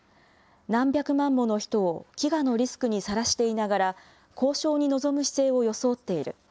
何百万もの人を飢餓のリスクにさらしていながら、交渉に臨む姿勢を装っている。